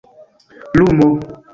lumo